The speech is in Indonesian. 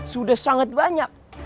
sudah sangat banyak